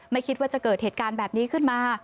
ไม่คิดว่าจะเกิดเหตุการณ์แบบนี้ขึ้นมา